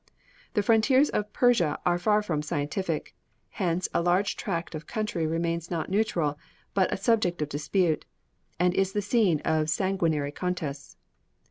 The frontiers of Persia are far from "scientific," hence a large tract of country remains not neutral, but a subject of dispute, and is the scene of sanguinary contests.